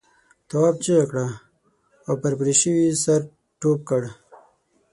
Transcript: تواب چیغه کړه او پر پرې شوي سر ټوپ کړ.